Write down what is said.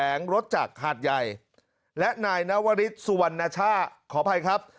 แขวงรถจากหัดใหญ่และนายนวริสุวรรณชาขอบภัยครับ